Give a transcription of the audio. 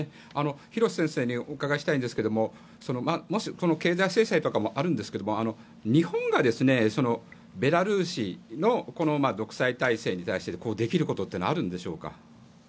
廣瀬先生にお伺いしたいんですが経済制裁などもあるんですが日本がベラルーシの独裁体制に対して、できることはあるんでしょうか？